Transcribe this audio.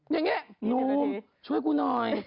อย่างนี้หนุ่มช่วยกูหน่อย